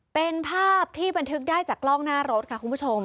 เป็นภาพที่บันทึกได้จากกล้องหน้ารถค่ะคุณผู้ชม